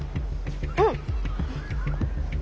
うん。